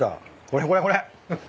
これこれこれ。